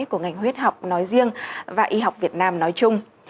của ngành huyết học nói riêng và y học việt nam nói chung